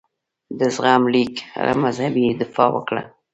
د زغم لیک مذهبي دفاع وکړه.